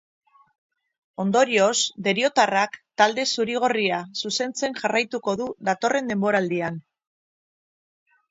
Ondorioz, deriotarrak talde zuri-gorria zuzentzen jarraituko du datorren denboraldian.